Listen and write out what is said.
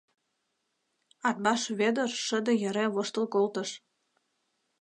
Атбаш Вӧдыр шыде йӧре воштыл колтыш.